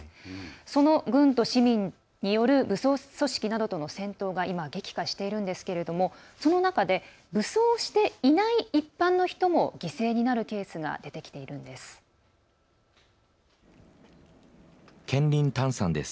その軍と市民による武装組織などとの戦闘が今、激化しているんですがその中で武装していない一般の人も犠牲になるケースが出てきているんです。